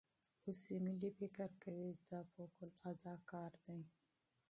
اوس ایمیلی فکر کوي دا فوقالعاده کار دی.